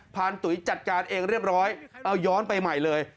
ตุ๋ยจัดการเองเรียบร้อยเอาย้อนไปใหม่เลย